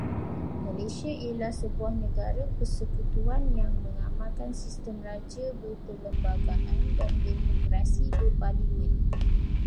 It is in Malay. Malaysia ialah sebuah negara persekutuan yang mengamalkan sistem Raja Berperlembagaan dan Demokrasi Berparlimen.